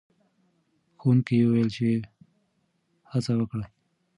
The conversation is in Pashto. ښوونکی وویل چې هڅه وکړئ.